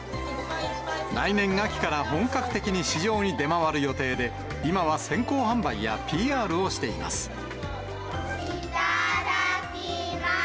来年秋から本格的に市場に出回る予定で、今は先行販売やＰＲいただきます。